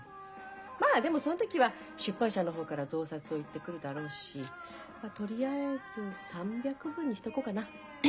まあでもその時は出版社の方から増刷を言ってくるだろうしまあとりあえず３００部にしとこうかな。